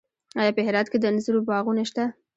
آیا په هرات کې د انځرو باغونه شته؟